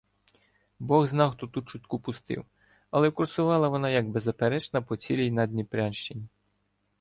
Бог зна, хто ту чутку пустив, але курсувала вона як беззаперечна по цілій Наддніпрянщині.